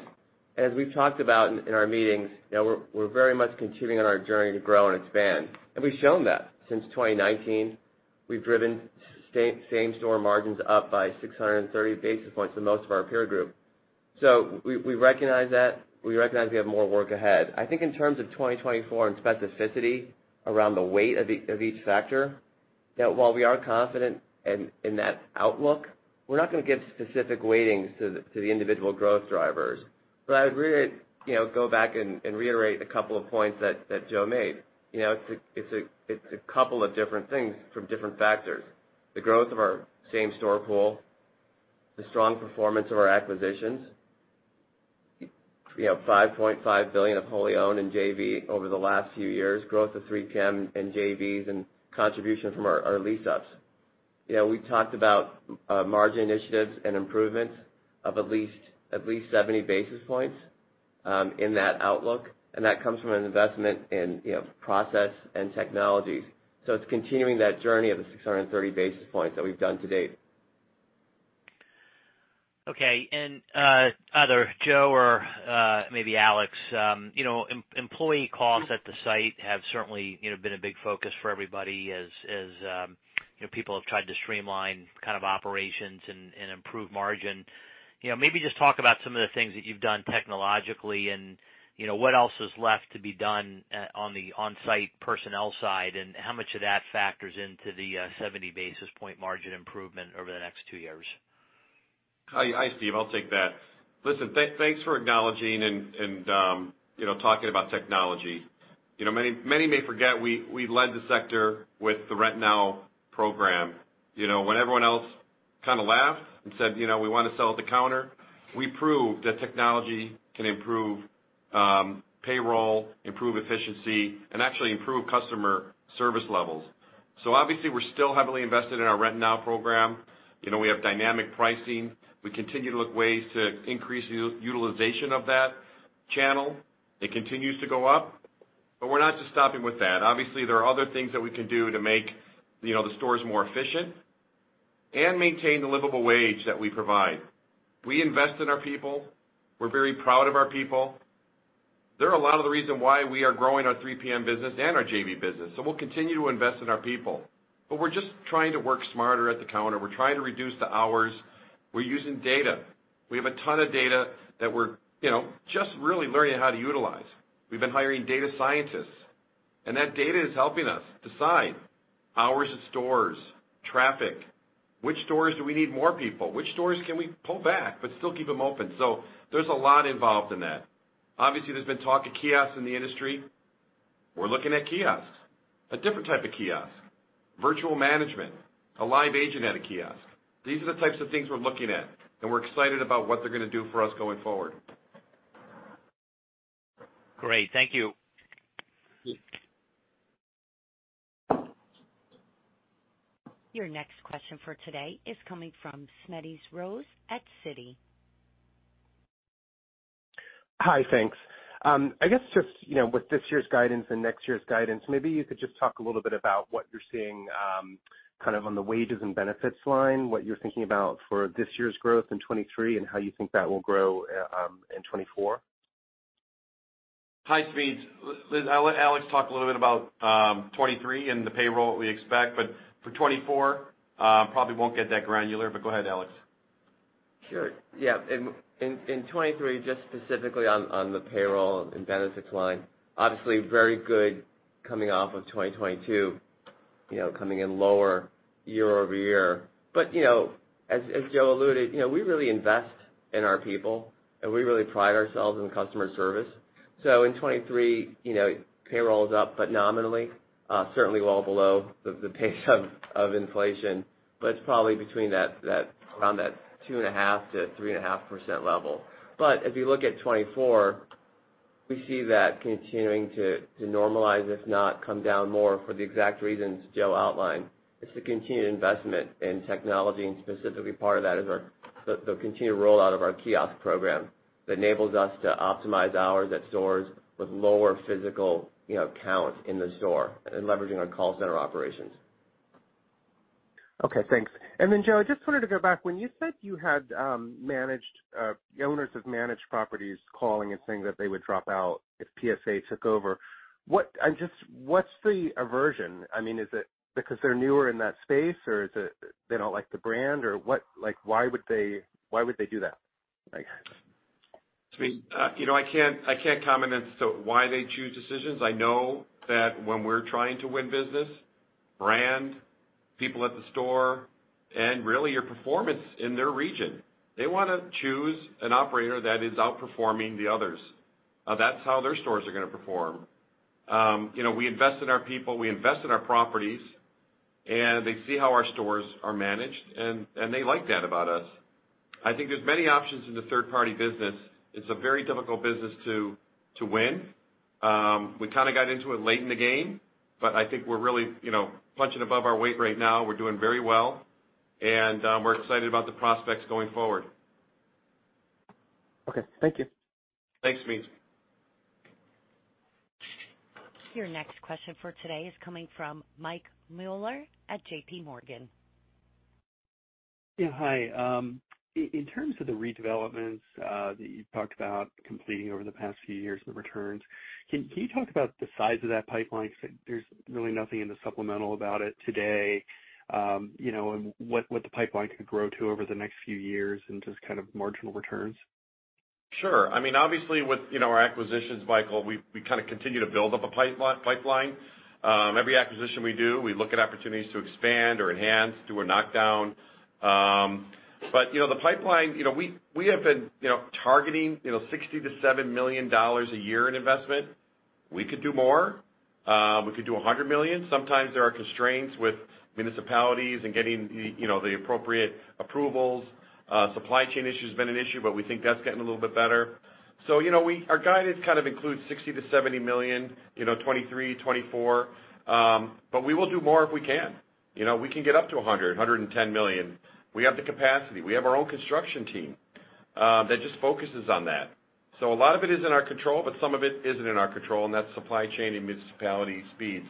As we've talked about in our meetings, you know, we're very much continuing on our journey to grow and expand. We've shown that since 2019, we've driven same-store margins up by 630 basis points to most of our peer group. We recognize that. We recognize we have more work ahead. I think in terms of 2024 and specificity around the weight of each factor, that while we are confident in that outlook, we're not going to give specific weightings to the individual growth drivers. I would really, you know, go back and reiterate a couple of points that Joe made. You know, it's a couple of different things from different factors. The growth of our same-store pool, the strong performance of our acquisitions, you know, $5.5 billion of wholly owned in JV over the last few years, growth of 3PM and JVs and contribution from our lease-ups. You know, we talked about margin initiatives and improvements of at least 70 basis points in that outlook, and that comes from an investment in, you know, process and technologies. It's continuing that journey of the 630 basis points that we've done to date. Okay. Either Joe or, maybe Alex, you know, employee costs at the site have certainly, you know, been a big focus for everybody as, you know, people have tried to streamline kind of operations and improve margin. You know, maybe just talk about some of the things that you've done technologically and, you know, what else is left to be done, on the on-site personnel side, and how much of that factors into the, 70 basis point margin improvement over the next two years. Hi, Steve. I'll take that. Listen, thanks for acknowledging and, you know, talking about technology. You know, many may forget we led the sector with the Rent Now program. You know, when everyone else kinda laughed and said, "You know, we wanna sell at the counter," we proved that technology can improve payroll, improve efficiency, and actually improve customer service levels. Obviously, we're still heavily invested in our Rent Now program. You know, we have dynamic pricing. We continue to look ways to increase utilization of that channel. It continues to go up. We're not just stopping with that. Obviously, there are other things that we can do to make, you know, the stores more efficient and maintain the livable wage that we provide. We invest in our people. We're very proud of our people. They're a lot of the reason why we are growing our 3PM business and our JV business. We'll continue to invest in our people. We're just trying to work smarter at the counter. We're trying to reduce the hours. We're using data. We have a ton of data that we're, you know, just really learning how to utilize. We've been hiring data scientists, and that data is helping us decide hours at stores, traffic, which stores do we need more people, which stores can we pull back but still keep them open. There's a lot involved in that. Obviously, there's been talk of kiosks in the industry. We're looking at kiosks, a different type of kiosk, virtual management, a live agent at a kiosk. These are the types of things we're looking at, and we're excited about what they're gonna do for us going forward. Great. Thank you. Your next question for today is coming from Smedes Rose at Citi. Hi. Thanks. I guess just, you know, with this year's guidance and next year's guidance, maybe you could just talk a little bit about what you're seeing, kind of on the wages and benefits line, what you're thinking about for this year's growth in 2023 and how you think that will grow, in 2024. Hi, Smedes. I'll let Alex talk a little bit about 2023 and the payroll we expect. For 2024, probably won't get that granular, but go ahead, Alex. Sure. Yeah. In, in 2023, just specifically on the payroll and benefits line, obviously very good coming off of 2022, you know, coming in lower year-over-year. You know, as Joe alluded, you know, we really invest in our people, and we really pride ourselves in customer service. In 2023, you know, payroll is up but nominally, certainly well below the pace of inflation. It's probably around that 2.5%-3.5% level. If you look at 2024, we see that continuing to normalize, if not come down more for the exact reasons Joe outlined. It's the continued investment in technology, and specifically part of that is the continued rollout of our kiosk program that enables us to optimize hours at stores with lower physical, you know, count in the store and leveraging our call center operations. Okay, thanks. Joe, I just wanted to go back. When you said you had managed owners of managed properties calling and saying that they would drop out if PSA took over, I'm just, what's the aversion? I mean, is it because they're newer in that space, or is it they don't like the brand, or what? Like, why would they, why would they do that? Smedes, you know, I can't comment as to why they choose decisions. I know that when we're trying to win business, brand, people at the store, and really your performance in their region, they wanna choose an operator that is outperforming the others. That's how their stores are gonna perform. You know, we invest in our people, we invest in our properties, and they see how our stores are managed, and they like that about us. I think there's many options in the third-party business. It's a very difficult business to win. We kinda got into it late in the game, but I think we're really, you know, punching above our weight right now. We're doing very well, and we're excited about the prospects going forward. Okay, thank you. Thanks, Smedes. Your next question for today is coming from Mike Mueller at JPMorgan. Yeah, hi. In terms of the redevelopments that you've talked about completing over the past few years and the returns, can you talk about the size of that pipeline? There's really nothing in the supplemental about it today. You know, what the pipeline could grow to over the next few years in just kind of marginal returns. Sure. I mean, obviously with, you know, our acquisitions, Michael, we kinda continue to build up a pipeline. Every acquisition we do, we look at opportunities to expand or enhance, do a knockdown. You know, the pipeline, you know, we have been, you know, targeting, you know, $60 million-$70 million a year in investment. We could do more. We could do $100 million. Sometimes there are constraints with municipalities and getting, you know, the appropriate approvals. Supply chain issue has been an issue, but we think that's getting a little bit better. You know, our guidance kind of includes $60 million-$70 million, you know, 2023, 2024. We will do more if we can. You know, we can get up to $100 million-$110 million. We have the capacity. We have our own construction team, that just focuses on that. A lot of it is in our control, but some of it isn't in our control, and that's supply chain and municipality speed.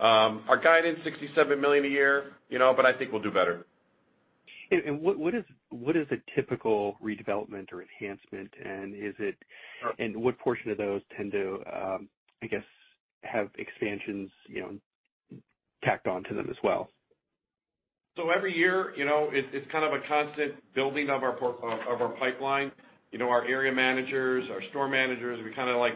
Our guidance, $60 million-$70 million a year, you know, but I think we'll do better. What is a typical redevelopment or enhancement? Sure. What portion of those tend to, I guess, have expansions, you know, tacked on to them as well? Every year, you know, it's kind of a constant building of our pipeline. You know, our area managers, our store managers, we kind of like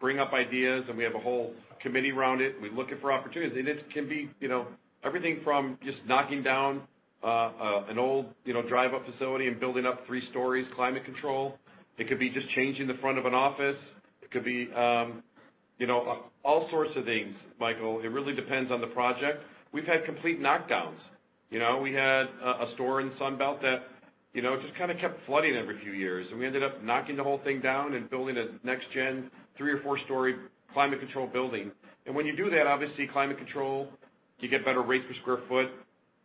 bring up ideas, and we have a whole committee around it. We look at for opportunities. It can be, you know, everything from just knocking down an old, you know, drive-up facility and building up three stories climate control. It could be just changing the front of an office. It could be, you know, all sorts of things, Michael. It really depends on the project. We've had complete knockdowns. You know, we had a store in Sun Belt that, you know, just kind of kept flooding every few years, and we ended up knocking the whole thing down and building a next gen, three or four story climate controlled building. When you do that, obviously climate control, you get better rate per sq ft,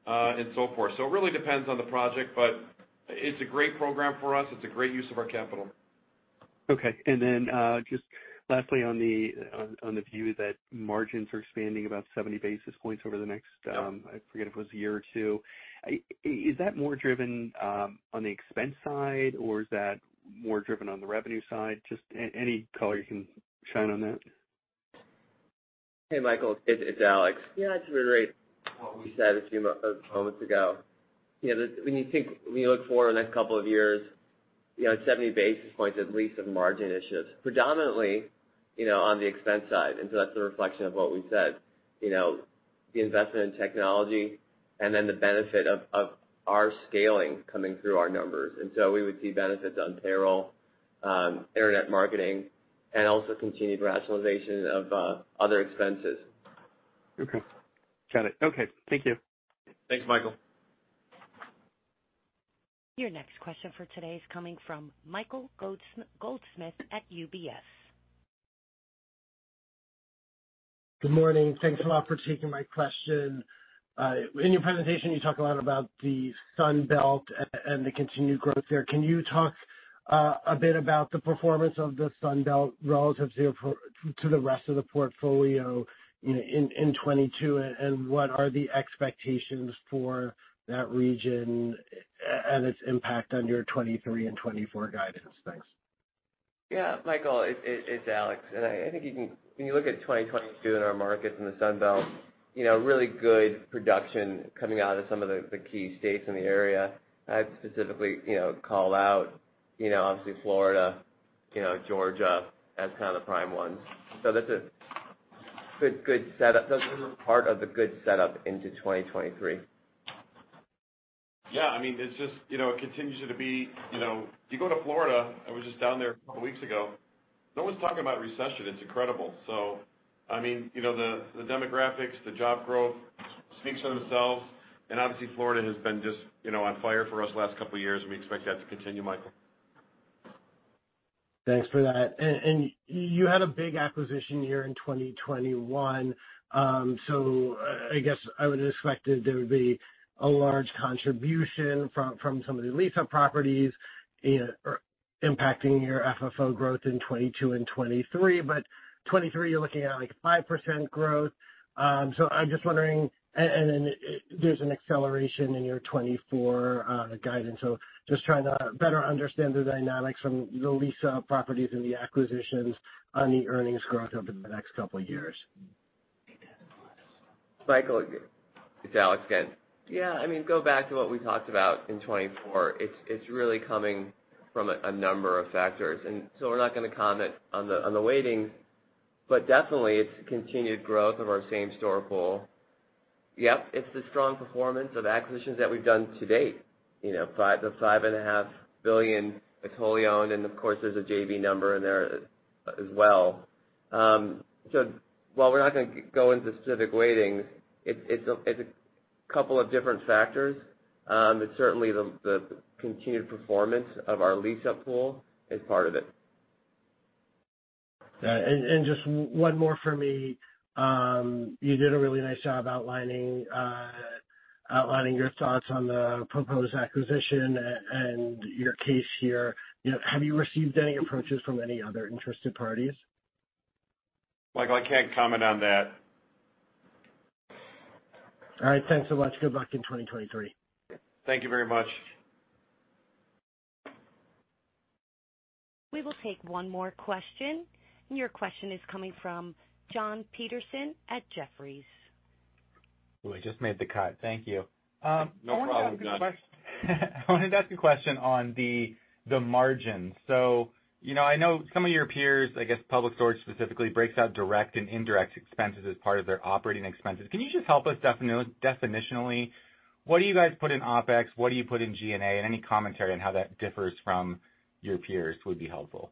and so forth. It really depends on the project, but it's a great program for us. It's a great use of our capital. Okay. Just lastly on the view that margins are expanding about 70 basis points over the next, I forget if it was a year or two. Is that more driven on the expense side, or is that more driven on the revenue side? Just any color you can shine on that. Hey, Michael, it's Alex. Yeah, to reiterate what we said a few moments ago, you know, when you look forward the next couple of years, you know, 70 basis points at least of margin issues, predominantly, you know, on the expense side. That's a reflection of what we said. You know, the investment in technology and then the benefit of our scaling coming through our numbers. We would see benefits on payroll, internet marketing, and also continued rationalization of other expenses. Okay, got it. Okay, thank you. Thanks, Michael. Your next question for today is coming from Michael Goldsmith at UBS. Good morning. Thanks a lot for taking my question. In your presentation, you talk a lot about the Sun Belt and the continued growth there. Can you talk a bit about the performance of the Sun Belt relative to your to the rest of the portfolio in 2022, and what are the expectations for that region and its impact on your 2023 and 2024 guidance? Thanks. Michael, it's Alex, when you look at 2022 in our markets in the Sun Belt, you know, really good production coming out of some of the key states in the area. I'd specifically, you know, call out, you know, obviously Florida, you know, Georgia as kind of the prime ones. That's a good setup. Those are part of the good setup into 2023. Yeah, I mean, it's just, you know, it continues to be, you know. If you go to Florida, I was just down there a couple weeks ago. No one's talking about recession. It's incredible. I mean, you know, the demographics, the job growth speaks for themselves. Obviously, Florida has been just, you know, on fire for us the last couple of years, and we expect that to continue, Michael. Thanks for that. You had a big acquisition year in 2021. I guess I would expected there would be a large contribution from some of the lease up properties, impacting your FFO growth in 2022 and 2023. 2023, you're looking at, like 5% growth. I'm just wondering... Then there's an acceleration in your 2024 guidance. Just trying to better understand the dynamics from the lease up properties and the acquisitions on the earnings growth over the next couple of years. Michael, it's Alex again. Yeah, I mean, go back to what we talked about in 2024. It's really coming from a number of factors. We're not gonna comment on the weighting, but definitely it's continued growth of our same store pool. Yep, it's the strong performance of acquisitions that we've done to date, you know, $5 billion-$5.5 billion that's wholly owned, and of course, there's a JV number in there as well. While we're not gonna go into specific weightings, it's a couple of different factors. Certainly the continued performance of our lease up pool is part of it. Yeah, just one more for me. You did a really nice job outlining your thoughts on the proposed acquisition and your case here. You know, have you received any approaches from any other interested parties? Michael, I can't comment on that. All right, thanks so much. Good luck in 2023. Thank you very much. We will take one more question. Your question is coming from Jon Petersen at Jefferies. Ooh, I just made the cut. Thank you. No problem, Jon. I wanted to ask a question on the margins. You know, I know some of your peers, I guess Public Storage specifically, breaks out direct and indirect expenses as part of their operating expenses. Can you just help us definitionally, what do you guys put in OpEx? What do you put in G&A? Any commentary on how that differs from your peers would be helpful.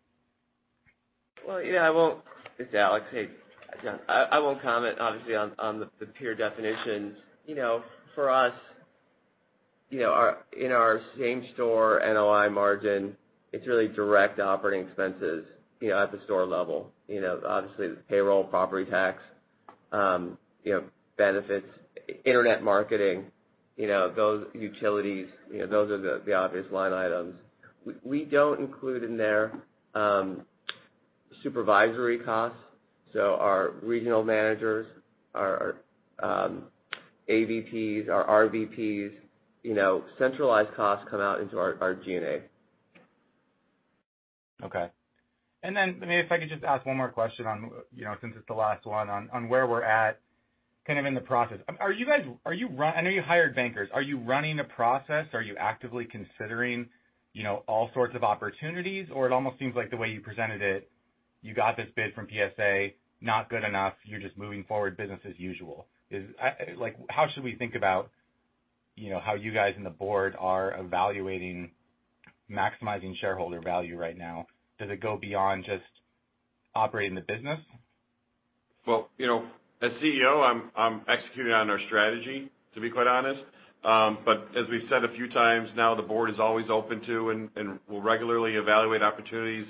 Yeah, It's Alex. Hey, Jon. I won't comment obviously on the peer definitions. You know, for us, you know, in our same store NOI margin, it's really direct operating expenses, you know, at the store level. You know, obviously the payroll, property tax, you know, benefits, internet marketing, you know, those utilities, you know, those are the obvious line items. We don't include in there supervisory costs. Our regional managers, our ABPs, our RVPs, you know, centralized costs come out into our G&A. Okay. Maybe if I could just ask one more question on, you know, since it's the last one on where we're at kind of in the process. Are you guys... I know you hired bankers. Are you running a process? Are you actively considering, you know, all sorts of opportunities? It almost seems like the way you presented it, you got this bid from PSA, not good enough, you're just moving forward, business as usual. Is... Like, how should we think about, you know, how you guys in the board are evaluating maximizing shareholder value right now? Does it go beyond just operating the business? Well, you know, as CEO, I'm executing on our strategy, to be quite honest. As we've said a few times now, the board is always open to and will regularly evaluate opportunities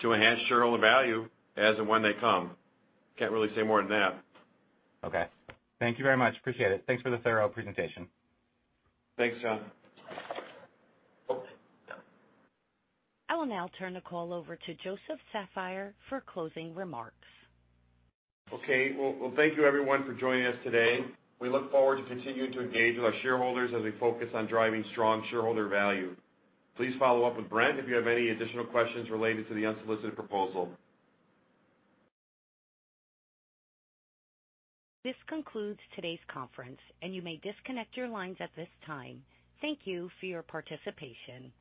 to enhance shareholder value as and when they come. Can't really say more than that. Okay. Thank you very much. Appreciate it. Thanks for the thorough presentation. Thanks, Jon. I will now turn the call over to Joe Saffire for closing remarks. Well, thank you everyone for joining us today. We look forward to continuing to engage with our shareholders as we focus on driving strong shareholder value. Please follow up with Brent if you have any additional questions related to the unsolicited proposal. This concludes today's conference, and you may disconnect your lines at this time. Thank you for your participation.